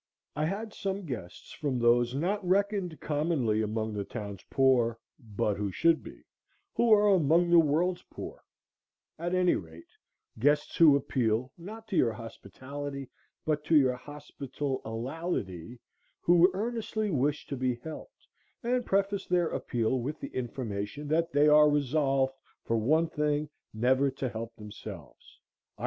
I had some guests from those not reckoned commonly among the town's poor, but who should be; who are among the world's poor, at any rate; guests who appeal, not to your hospitality, but to your hospitalality; who earnestly wish to be helped, and preface their appeal with the information that they are resolved, for one thing, never to help themselves.